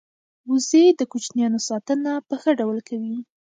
وزې د کوچنیانو ساتنه په ښه ډول کوي